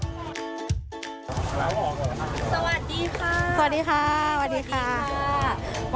สวัสดีค่ะสวัสดีค่ะ